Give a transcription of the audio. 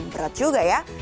berat juga ya